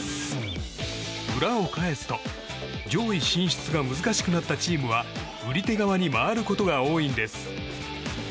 裏を返すと上位進出が難しくなったチームは売り手側に回ることが多いんです。